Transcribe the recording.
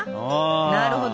なるほど。